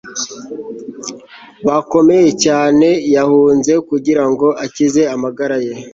bakomeye cyane yahunze kugira ngo akize amagara ye